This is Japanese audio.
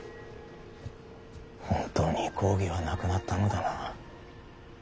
本当に公儀はなくなったのだな。